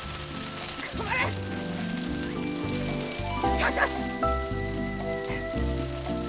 よしよし！